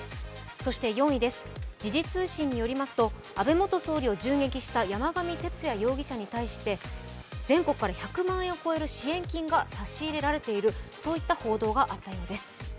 そして４位です、時事通信によりますと安倍元総理を銃撃した山上徹也容疑者に対して全国から１００万円を超える支援金が差し入れられている、そういった報道があったようです。